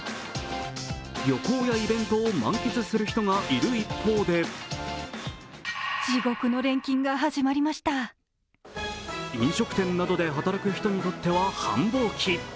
旅行やイベントを満喫する人がいる一方で飲食店などで働く人にとっては繁忙期。